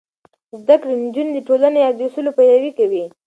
زده کړې نجونې د ټولنې د اصولو پيروي کوي.